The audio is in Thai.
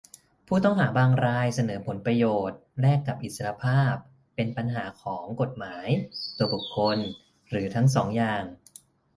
ผู้ต้องหาบางรายเสนอผลประโยชน์แลกกับอิสรภาพ เป็นปัญหาของกฎหมาย ตัวบุคคล หรือทั้งสองอย่าง